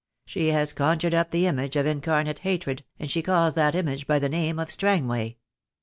She has conjured up the image of incarnate hatred, and she calls that image by the name of Strangway.